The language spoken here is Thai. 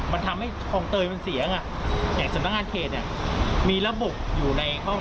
มันทำให้ของเตยมันเสียงอ่ะอย่างสถานการณ์เขตมีระบบอยู่ในข้าว